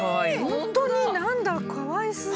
本当に何だかわいすぎる！